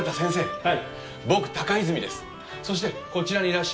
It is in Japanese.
はい。